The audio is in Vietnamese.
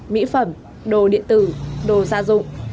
mỹ phẩm đồ điện tử đồ gia dụng